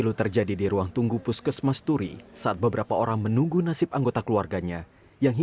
kedua siswi yang masih dirawat di puskesmas duri juga sempat dijenguk oleh bupati sleman seri purnomo